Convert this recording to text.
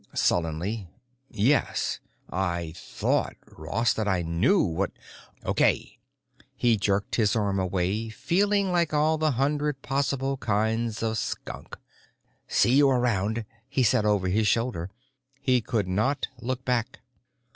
Sullenly, "Yes. I thought, Ross, that I knew what——" "Okay." He jerked his arm away, feeling like all of the hundred possible kinds of a skunk. "See you around," he said over his shoulder. He did not look back.